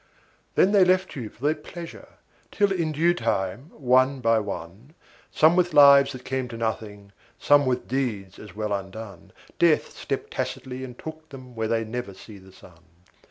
Then they left you for their pleasure: till in due time, one by one, Some with lives that came to nothing, some with deeds as well undone, Death, stepped tacitly and took them where they never see the sun.